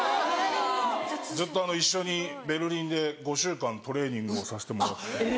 ずっと一緒にベルリンで５週間トレーニングをさせてもらって。